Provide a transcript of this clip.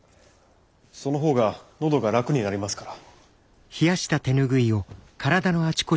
そのほうが喉が楽になりますから。